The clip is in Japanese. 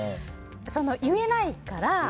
言えないから。